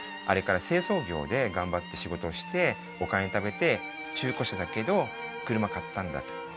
あれから清掃業で頑張って仕事をしてお金ためて中古車だけど車買ったんだと。